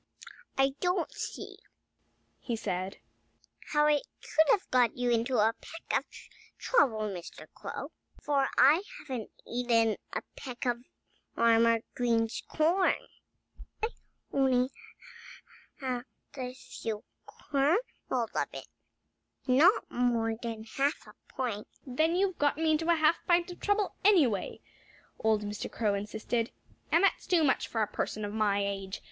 "I don't see," he said, "how I could have got you into a peck of trouble, Mr. Crow, for I haven't eaten a peck of Farmer Green's corn. I've had only a few kernels of it not more than half a pint." "Then you've got me into a half pint of trouble, anyway," old Mr. Crow insisted. "And that's too much, for a person of my age.